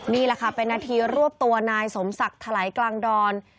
นี่แหละค่ะเป็นนาทีรวบตัวนายสมศักดิ์ถลายกลางดอน